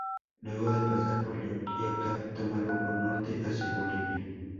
Luego de pasar por La Quiaca toma rumbo Norte hacia Bolivia.